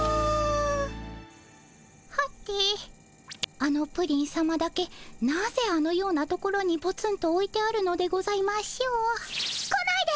あのプリンさまだけなぜあのような所にポツンとおいてあるのでございましょう？来ないで！